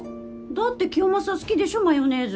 だって清正好きでしょマヨネーズ